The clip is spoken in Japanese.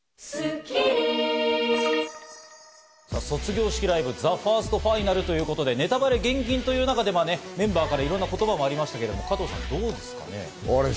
卒業式ライブ、ＴＨＥＦＩＲＳＴＦＩＮＡＬということで、ネタバレ厳禁ということでメンバーからいろいろな言葉もありましたけれども、どうですかね？